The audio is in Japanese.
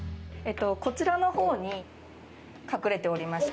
こちらの方に隠れております。